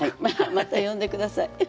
また呼んで下さい。